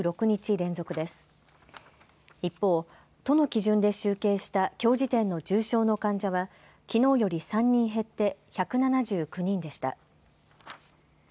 一方、都の基準で集計したきょう時点の重症の患者はきのうより３人減って１７９人でした。